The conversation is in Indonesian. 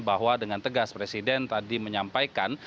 bahwa dengan tegas presiden tadi menyampaikan